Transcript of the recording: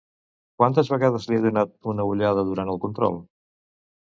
Quantes vegades li ha donat una ullada durant el control?